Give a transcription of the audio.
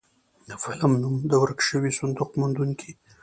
د فلم نوم و د ورک شوي صندوق موندونکي.